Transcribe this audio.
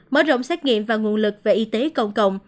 mở rộng xét nghiệm và nguồn lực về y tế công cộng